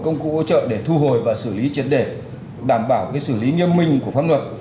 các đường dây đổ công cụ ưu trợ để thu hồi và xử lý chiến đề đảm bảo cái xử lý nghiêm minh của pháp luật